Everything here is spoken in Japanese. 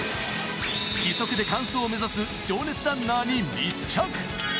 義足で完走を目指す情熱ランナーに密着。